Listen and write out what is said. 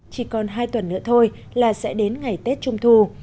chỉ còn hai tuần nữa thôi là sẽ đến ngày tết trung thu